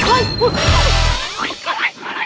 เฮ้ยเฮ้ยเฮ้ยก็อะไร